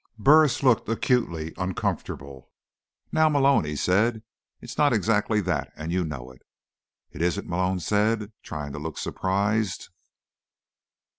Burris looked acutely uncomfortable. "Now, Malone," he said. "It's not exactly that, and you know it." "It isn't?" Malone said, trying to look surprised.